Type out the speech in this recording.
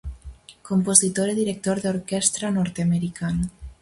Compositor e director de orquestra norteamericano.